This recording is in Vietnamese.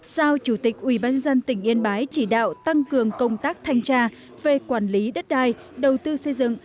sao chủ tịch ủy ban nhân dân tp yên bái chỉ đạo tăng cường công tác thanh tra về quản lý đất đai đầu tư xây dựng